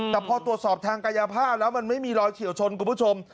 แต่พอตรวจสอบทางกายภาพแล้วมันไม่มีรอยเฉียวชนคุณผู้ชม